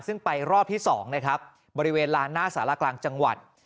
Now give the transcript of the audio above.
ซึ่งไปรอบที่๒นะครับบริเวณลานหน้าสารกลางจังหวัด